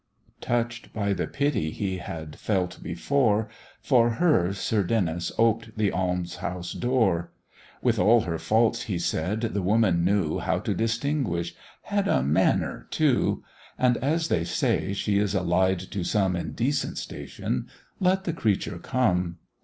Touch'd by the pity he had felt before, For her Sir Denys oped the Alms house door: "With all her faults," he said, "the woman knew How to distinguish had a manner too; And, as they say she is allied to some In decent station let the creature come."